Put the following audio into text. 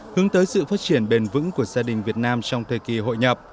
hướng tới sự phát triển bền vững của gia đình việt nam trong thời kỳ hội nhập